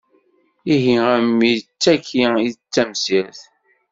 Ihi a mmi d tagi i d tamsirt!